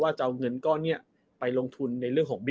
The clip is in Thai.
แล้วจะเอาเงินให้ลงทุนในเรื่องของ